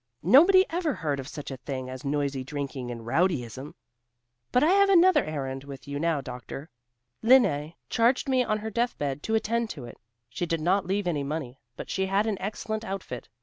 Nobody ever heard of such a thing as noisy drinking and rowdyism. But I have another errand with you now, doctor. Lene charged me on her death bed to attend to it. She did not leave any money, but she had an excellent outfit.